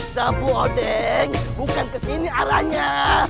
sabodeh bukan kesini arahnya